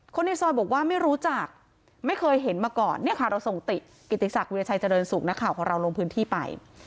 คนในซอยบอกว่าไม่รู้จักไม่เคยเห็นมาก่อนเนี่ยค่ะเราส่งติกิติศักดิราชัยเจริญสุขนักข่าวของเราลงพื้นที่ไป